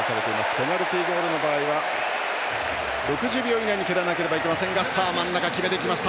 ペナルティーゴールの場合は６０秒以内に蹴らなければいけませんが真ん中、決めてきました。